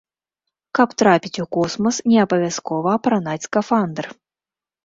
Каб трапіць у космас, не абавязкова апранаць скафандр!